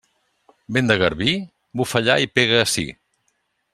Vent de garbí? Bufa allà i pega ací.